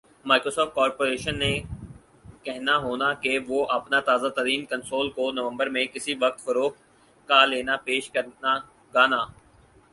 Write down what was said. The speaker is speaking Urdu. مائیکروسافٹ کارپوریشن نے کہنا ہونا کہ وُہ اپنا تازہ ترین کنسول کو نومبر میں کِسی وقت فروخت کا لینا پیش کرنا گانا